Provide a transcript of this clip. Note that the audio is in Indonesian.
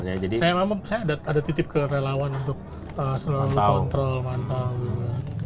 ya saya memang ada titip ke relawan untuk selalu kontrol mantau dll